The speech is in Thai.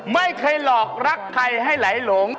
ไม่เคยหลอกรักใครให้ไหลหลง